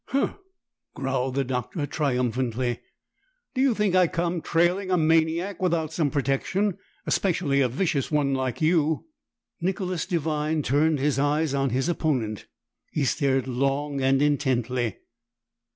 "Huh!" growled the Doctor triumphantly. "Do you think I come trailing a maniac without some protection? Especially a vicious one like you?" Nicholas Devine turned his eyes on his opponent. He stared long and intently.